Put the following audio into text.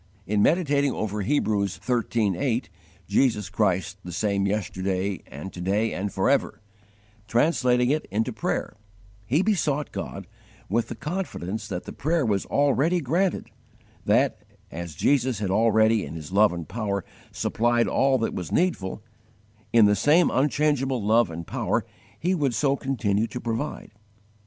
In meditating over Hebrews xiii. 8: "Jesus Christ the same yesterday and to day and for ever," translating it into prayer, he besought God, with the confidence that the prayer was already granted, that, as Jesus had already in His love and power supplied all that was needful, in the same unchangeable love and power He would so continue to provide.